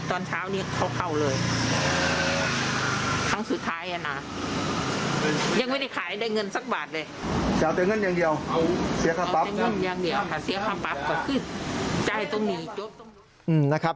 โอเคห้ามปรับ